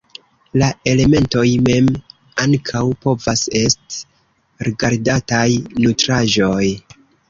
La elementoj mem ankaŭ povas est rigardataj nutraĵoj.